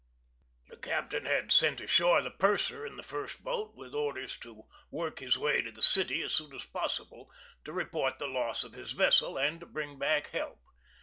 The captain had sent ashore the purser in the first boat, with orders to work his way to the city as soon as possible, to report the loss of his vessel, and to bring back help.